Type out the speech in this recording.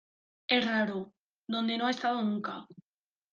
es raro. donde no ha estado nunca